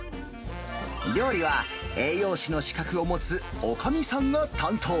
料理は栄養士の資格を持つおかみさんが担当。